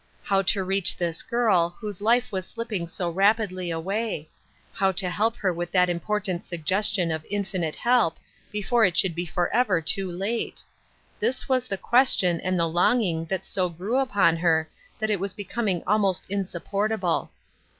How to reach this girl, whose life was slipping so rapidly away ; how to help her with that important suggestion of Infinite help, before it should be forever too late — this was the question and the longing that so grew upon her that it was becoming almost insupportable.